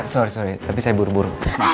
sorry sorry tapi saya buru buru